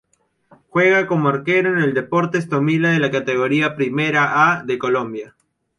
Juega como arquero en el Deportes Tolima de la Categoría Primera A de Colombia.